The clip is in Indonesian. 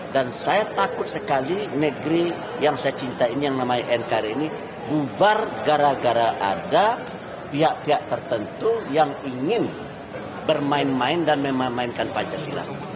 dan saya takut sekali negeri yang saya cintai ini yang namanya nkri ini bubar gara gara ada pihak pihak tertentu yang ingin bermain main dan memainkan pancasila